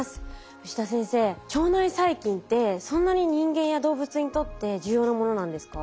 牛田先生腸内細菌ってそんなに人間や動物にとって重要なものなんですか？